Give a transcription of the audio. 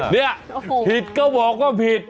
เนี่ยผิดก็บอกว่าผิด